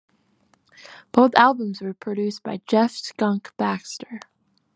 Both albums were produced by Jeff "Skunk" Baxter.